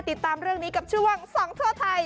ติดตามเรื่องนี้กับช่วงส่องทั่วไทย